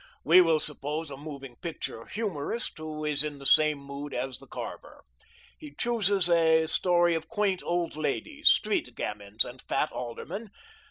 We will suppose a moving picture humorist who is in the same mood as the carver. He chooses a story of quaint old ladies, street gamins, and fat aldermen.